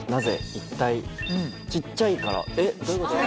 一体ちっちゃいからえっどういうこと？